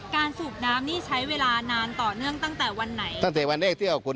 การสูบน้ำนี่ใช้เวลานานต่อเนื่องตั้งแต่วันไหน